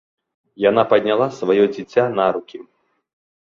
Яна падняла сваё дзіця на рукі.